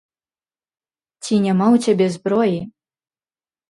Ці няма ў цябе зброі?!